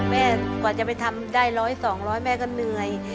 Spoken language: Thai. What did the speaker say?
แม่กว่าจะไปทำได้ร้อยสองร้อยแม่ก็เหนื่อย